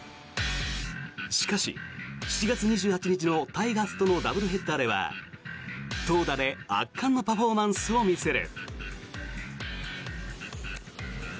しかし、７月２８日のタイガースとのダブルヘッダーでは投打で圧巻のパフォーマンスを見せる。